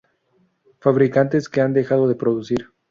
Fabricantes que han dejado de producir